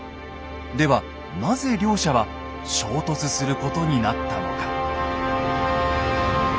ではなぜ両者は衝突することになったのか。